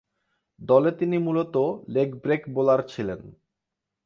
দলে তিনি মূলতঃ লেগ ব্রেক বোলার ছিলেন।